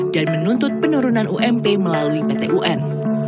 dan menuntut penurunan ump menggunakan